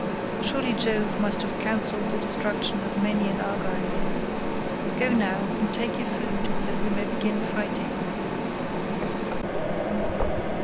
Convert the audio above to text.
Surely Jove must have counselled the destruction of many an Argive. Go, now, and take your food that we may begin fighting."